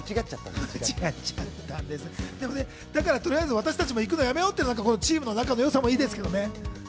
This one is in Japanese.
だから、とりあえず私たちも行くのやめようっていうことになったチームの仲の良さもありますけどね。